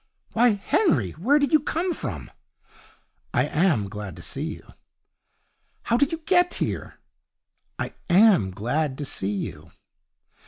'Why, Henry! Where did you come from?' 'I am glad to see you!' 'How did you get here?' 'I am glad to see you!'